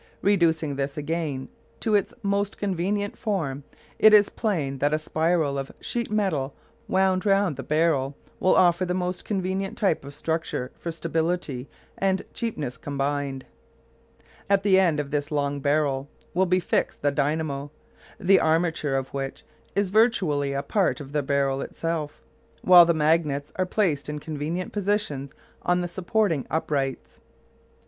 Reducing this again to its most convenient form, it is plain that a spiral of sheet metal wound round the barrel will offer the most convenient type of structure for stability and cheapness combined. At the end of this long barrel will be fixed the dynamo, the armature of which is virtually a part of the barrel itself, while the magnets are placed in convenient positions on the supporting uprights.